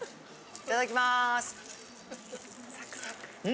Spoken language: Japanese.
いただきます。